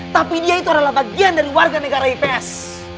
tapi dia itu adalah bagian dari warga negara ips